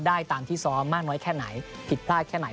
ได้ตามที่ซ้อมมากน้อยแค่ไหนผิดพลาดแค่ไหน